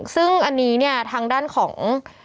ซึ่งอันนี้ทางด้านของ